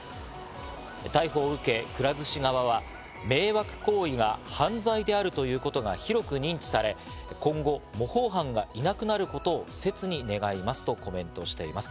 逮捕を受け、くら寿司側は、迷惑行為が犯罪であるということが広く認知され、今後、模倣犯がいいなくなることを切に願いますとコメントしています。